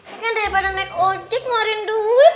ini kan daripada naik ojek ngeluarin duit